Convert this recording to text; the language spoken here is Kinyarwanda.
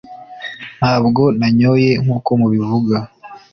Ntabwo nanyoye nkuko mubivuga